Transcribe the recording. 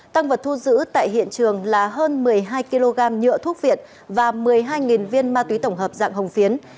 tăng vật thu giữ tại hiện trường là hơn một mươi hai kg nhựa thuốc viện và một mươi hai viên ma túy tổng hợp dạng hồng phiến